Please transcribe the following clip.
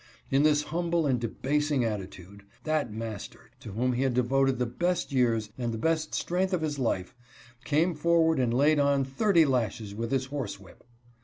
In this humble and debasing attitude, that master, to whom he had devoted the best years and the best strength of his life, came forward and laid on thirty lashes with his horse whip.